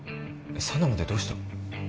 佐奈までどうした？